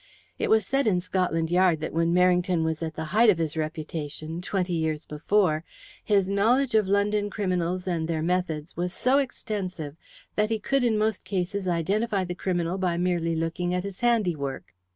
It was said in Scotland Yard that when Merrington was at the height of his reputation, twenty years before, his knowledge of London criminals and their methods was so extensive that he could in most cases identify the criminal by merely looking at his handiwork.